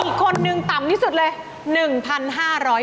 อีกคนหนึ่งต่ำที่สุดเลย